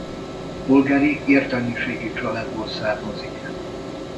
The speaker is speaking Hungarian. Polgári értelmiségi családból származik.